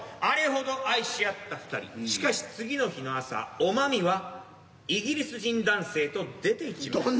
あれほど愛し合った二人しかし次の日の朝おまみはイギリス人男性と出ていきます。